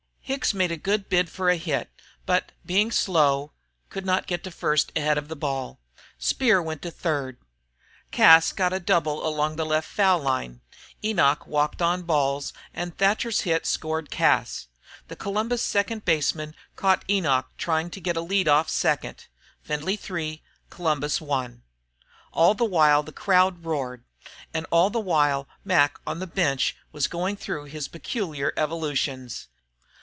Hicks made a good bid for a hit, but, being slow, could not get to first ahead of the ball. Speer went to third. Cas got a double along the left foul line, Enoch walked on balls, and Thatcher's hit scored Cas. The Columbus second baseman caught Enoch trying to get a lead off second. Findlay 3, Columbus 1. All the while the crowd roared, and all the while Mac on the bench was going through his peculiar evolutions.